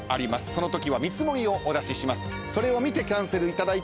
その時は見積もりをお出しします。